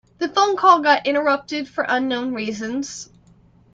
The phone call got interrupted for unknown reasons.